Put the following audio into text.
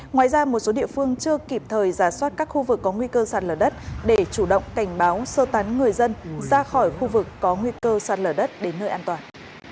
ngoài ra một số địa phương chưa kịp thời giả soát các khu vực có nguy cơ sạt lở đất để chủ động cảnh báo sơ tán người dân ra khỏi khu vực có nguy cơ sạt lở đất đến nơi an toàn